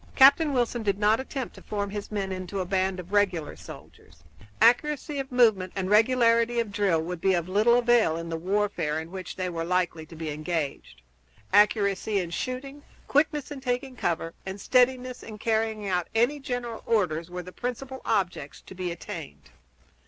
Captain Wilson did not attempt to form his men into a band of regular soldiers; accuracy of movement and regularity of drill would be of little avail in the warfare in which they were likely to be engaged. Accuracy in shooting, quickness in taking cover, and steadiness in carrying out any general orders were the principal objects to be attained.